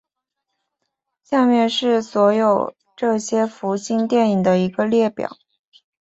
下面是所有这些福星电影的一个列表。